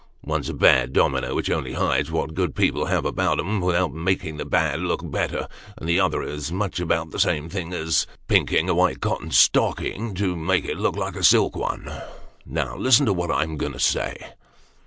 One, is a bad domino which only hides what good people have about 'em, without making the bad look better ; and the other is much about the same thing as pinking a white cotton stocking to make it look like a silk one. Now listen to what I'm going to say."